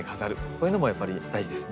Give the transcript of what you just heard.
こういうのもやっぱり大事ですね。